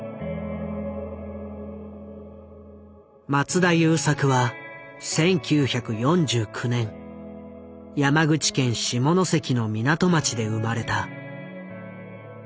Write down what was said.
松田優作は１９４９年山口県下関の港町で生まれた。